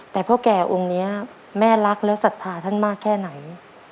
แต่พ่อแก่องค์นี้แม่รักและศรัทธาท่านมากแค่ไหน